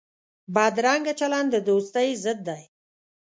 بدرنګه چلند د دوستۍ ضد دی